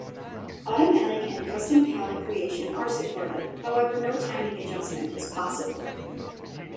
Automatic and custom palette creation are supported, however no timing adjustment is possible.